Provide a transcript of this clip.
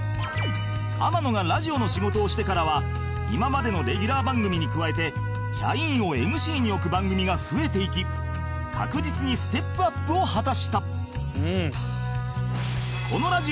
天野がラジオの仕事をしてからは今までのレギュラー番組に加えてキャインを ＭＣ に置く番組が増えていき確実にステップアップを果たした